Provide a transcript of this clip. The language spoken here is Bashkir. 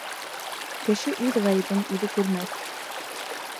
Кеше үҙ ғәйебен үҙе күрмәҫ.